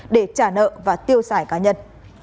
để trả nợ và tiêu xài cá nhân